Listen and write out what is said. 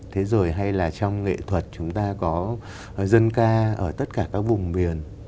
thế rồi hay là trong nghệ thuật chúng ta có dân ca ở tất cả các vùng miền